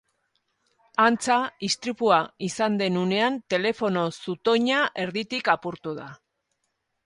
Antza, istripua izan den unean telefono-zutoina erditik apurtu da.